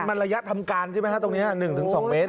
มันระยะทำการใช่ไหมฮะตรงนี้๑๒เมตร